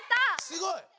すごい。